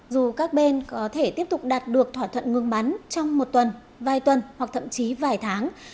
dù các bên có thể tiếp tục đạt được thỏa thuận ngừng bắn trong một tuần vài tuần hoặc thậm chí vài tháng